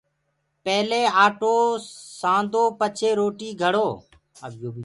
پيلي آٽو سآندو پڇي روٽيٚ گھڙو